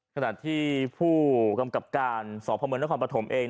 ขนาดที่ผู้กำกับการสอบภาพเมืองและความประถมเอง